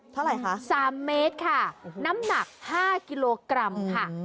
เท่าไหร่คะ๓เมตรค่ะน้ำหนัก๕กิโลกรัมค่ะ